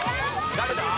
誰だ？